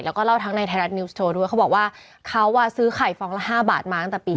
แล้วก็เล่าทั้งในไทยรัฐนิวส์โชว์ด้วยเขาบอกว่าเขาซื้อไข่ฟองละ๕บาทมาตั้งแต่ปี๒๕